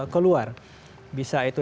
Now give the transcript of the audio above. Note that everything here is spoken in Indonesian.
keluar bisa itu